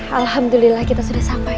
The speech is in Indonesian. alhamdulillah kita sudah sampai